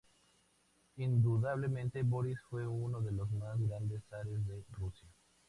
Indudablemente Borís fue uno de los más grandes zares de Rusia.